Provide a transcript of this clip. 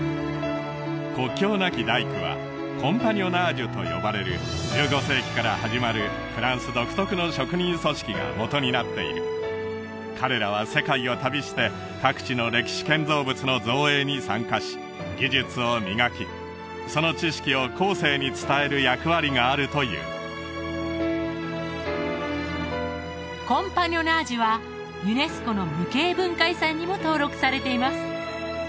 国境なき大工は「コンパニョナージュ」と呼ばれる１５世紀から始まるフランス独特の職人組織がもとになっている彼らは世界を旅して各地の歴史建造物の造営に参加し技術を磨きその知識を後世に伝える役割があるというコンパニョナージュはユネスコの無形文化遺産にも登録されています